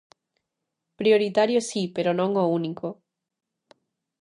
Prioritario si, pero non o único.